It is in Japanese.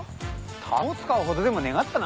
タモ使うほどでもねがったな。